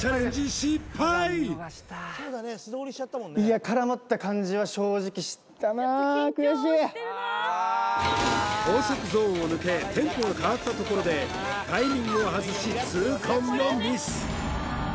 失敗いや絡まった感じは正直したなー高速ゾーンを抜けテンポが変わったところでタイミングを外し痛恨のミス